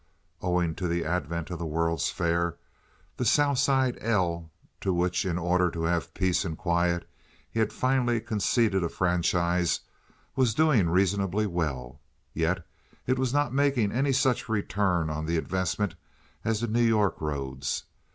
Owing to the advent of the World's Fair, the South Side 'L'—to which, in order to have peace and quiet, he had finally conceded a franchise—was doing reasonably well. Yet it was not making any such return on the investment as the New York roads.